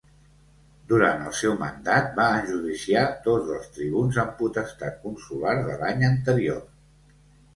Durant el seu mandat va enjudiciar dos dels tribuns amb potestat consular de l'any anterior.